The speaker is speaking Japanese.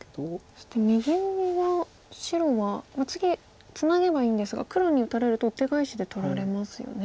そして右上は白はまあ次ツナげばいいんですが黒に打たれるとウッテガエシで取られますよね。